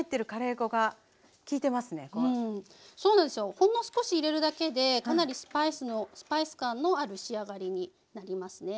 ほんの少し入れるだけでかなりスパイス感のある仕上がりになりますね。